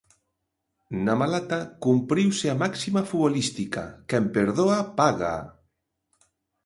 Na Malata cumpriuse a máxima futbolística: quen perdoa págaa.